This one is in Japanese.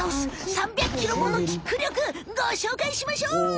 ３００ｋｇものキックりょくごしょうかいしましょう！